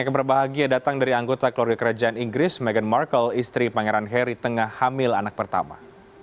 keberbahagia datang dari anggota keluarga kerajaan inggris meghan markle istri pangeran harry tengah hamil anak pertama